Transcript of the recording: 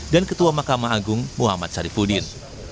dan ketua makam agung muhammad sarifudin